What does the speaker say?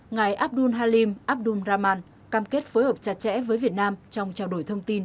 ngài abdul halim abdul rahman cam kết phối hợp chặt chẽ với việt nam trong trao đổi thông tin